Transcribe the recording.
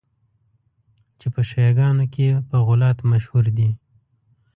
چي په شیعه ګانو کي په غُلات مشهور دي.